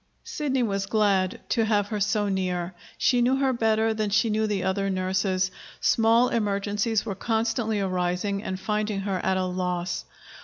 Sidney was glad to have her so near. She knew her better than she knew the other nurses. Small emergencies were constantly arising and finding her at a loss.